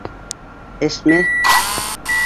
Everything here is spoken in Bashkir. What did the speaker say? Әсмә!..